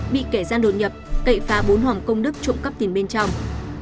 bị kẻ gian đột nhập cậy phá bốn hoàng công đức trộm cắp tiền bên trong